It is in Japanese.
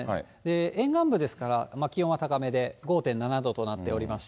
沿岸部ですから気温は高めで５．７度となっておりまして。